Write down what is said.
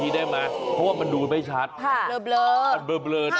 ดูไม่ชัด